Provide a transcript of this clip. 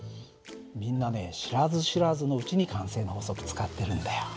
みんなね知らず知らずのうちに慣性の法則使ってるんだよ。